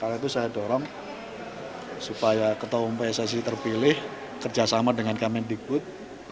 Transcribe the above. karena itu saya dorong supaya ketua umum pssi terpilih kerjasama dengan kementikbud